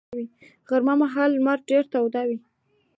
غرمه مهال لمر ډېر تود وي